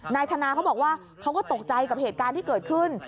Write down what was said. นายธนาเขาบอกว่าเขาก็ตกใจกับเหตุการณ์ที่เกิดขึ้น